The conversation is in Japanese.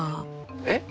えっ？